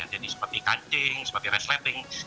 jadi seperti kancing seperti resleting